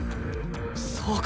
そうか！